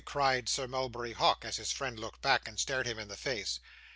cried Sir Mulberry Hawk, as his friend looked back, and stared him in the face.